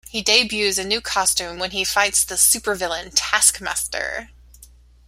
He debuts a new costume when he fights the supervillain Taskmaster.